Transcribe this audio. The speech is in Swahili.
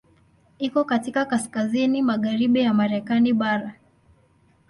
Iko katika kaskazini magharibi ya Marekani bara.